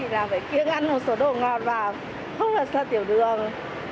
chị đang phải kiêng ăn một số đồ ngọt vào không phải xa tiểu đường